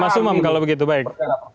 mas umam kalau begitu baik